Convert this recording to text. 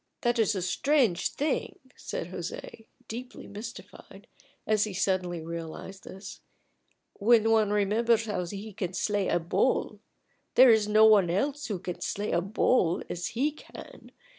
"That is a strange thing," said José, deeply mystified, as he suddenly realized this, "when one remembers how he can slay a bull. There is no one else who can slay a bull as he can.